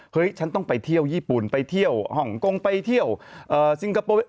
ฉันต้องไปเที่ยวญี่ปุ่นไปเที่ยวฮ่องกงไปเที่ยวซิงคโปร์